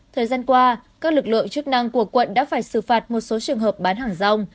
thời gian qua các lực lượng chức năng của quận đã phải xử phạt một số trường hợp bán hàng rong